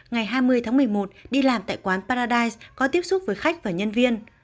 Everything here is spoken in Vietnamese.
ngày hai mươi tháng một mươi một đi làm tại quán paradise có tiếp xúc với khách và nhân viên